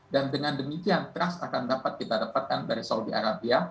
dan dengan demikian trust akan dapat kita dapatkan dari saudi arabia